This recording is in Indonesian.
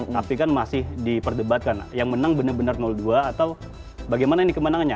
tapi kan masih diperdebatkan yang menang benar benar dua atau bagaimana ini kemenangannya